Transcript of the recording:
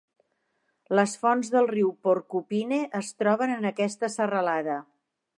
Les fonts del riu Porcupine es troben en aquesta serralada.